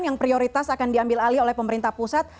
yang prioritas akan diambil alih oleh pemerintah pusat